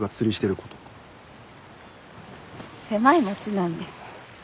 狭い町なんで。